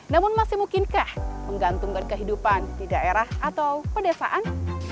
namun masih mungkinkah menggantungkan kehidupan di daerah atau pedesaan